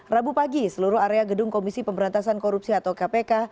rabu pagi seluruh area gedung komisi pemberantasan korupsi atau kpk